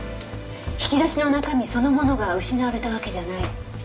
引き出しの中身そのものが失われたわけじゃない。